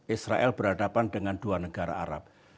israel berhadapan dengan dua negara arab